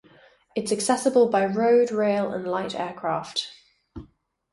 It is accessible by road, rail and light aircraft.